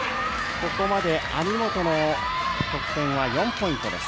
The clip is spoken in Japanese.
ここまで網本の得点は４ポイントです。